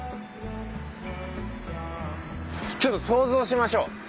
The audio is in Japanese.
ちょっと想像しましょう。